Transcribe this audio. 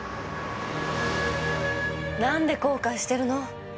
何で後悔してるの？